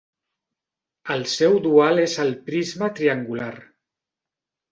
El seu dual és el prisma triangular.